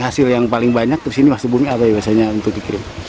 hasil yang paling banyak di sini masuk bumi apa ya biasanya untuk dikirim